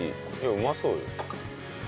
うまそうよ。